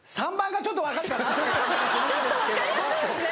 ちょっと分かりやすいですね。